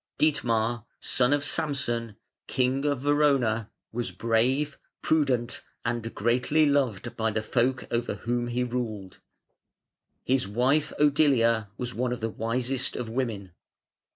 Dietmar, son of Samson, King of Verona, was brave, prudent, and greatly loved by the folk over whom he ruled. His wife Odilia was one of the wisest of women.